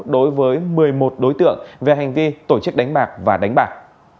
một mươi một đối tượng về hành vi tổ chức đánh bạc và đánh bạc